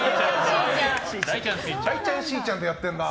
だいちゃん、しーちゃんでやってんだ。